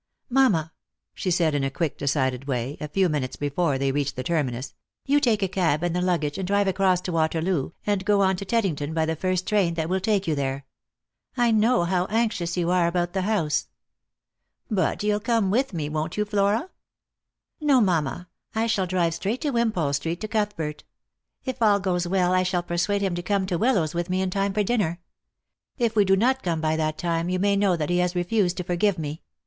" Mamma," she said, in a quick decided way, a few minutes before they reached the terminus, " you take a cab and the luggage, and drive across to Waterloo, and go on to Teddington by the first train that will take you there. I know how anxious you are about the house." Lost for Love. 337 " But you'll come with me, won't you, Flora P" " No, mamma, I shall drive straight to Wimpole street, to Cuthbert. If all goes well, I shall persuade him to come to " Willows with me in time for dinner. If we do not come by that time, you may know that he has refused to forgive me.